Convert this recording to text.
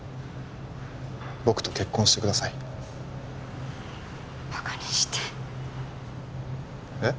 僕と結婚してくださいバカにしてえっ？